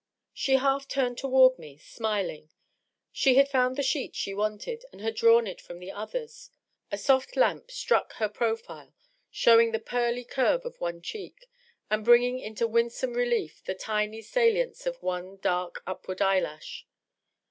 She half turned toward me, smiling. She had found the sheet she wanted, and had drawn it from the others ; a soft lamp struck her pro file, showing the pearly curve of one cheek, and bringing into winsome relief the tiny salience of one dark, upward eyelash.